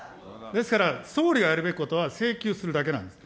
ですから、総理がやるべきことは、請求するだけなんです。